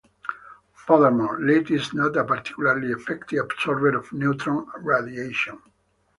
Furthermore, lead is not a particularly effective absorber of neutron radiation.